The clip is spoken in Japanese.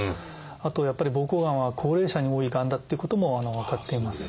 あとやっぱり膀胱がんは高齢者に多いがんだっていうことも分かっています。